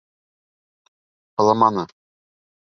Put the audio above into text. Һыламаны.